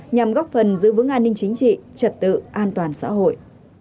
nhằm góp phần giữ vững an ninh chính trị trật tự an toàn xã hội